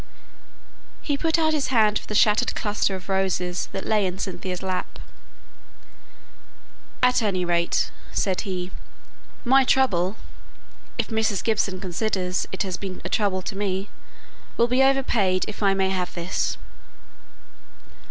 He put out his hand for the shattered cluster of roses that lay in Cynthia's lap. "At any rate," said he, "my trouble if Mrs. Gibson considers it has been a trouble to me will be over paid, if I may have this."